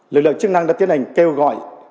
lực lượng chức năng đã tiến hành kêu gọi